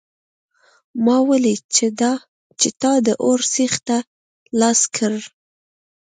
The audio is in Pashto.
ما ولیدل چې تا د اور سیخ ته لاس کړ